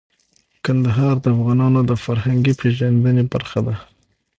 کندهار د افغانانو د فرهنګي پیژندنې برخه ده.